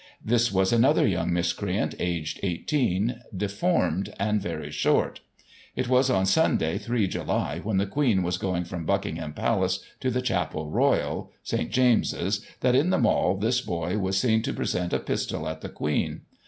This was another young mis creant, aged 18, deformed, and very short. It was on Sunday, 3 July, when the Queen was going from Buckingham Palace to the Chapel Royal, St. Jameses, that, in the Mall, this boy was seen to present a pistol at the Queen.